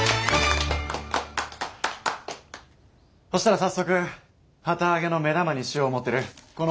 そしたら早速旗揚げの目玉にしよ思てるこの。